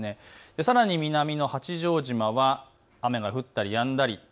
さらに南の八丈島は雨が降ったりやんだり。